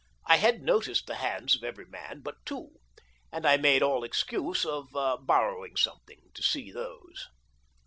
I had noticed the hands of every man but two, and I made an excuse of borrowing something to see those.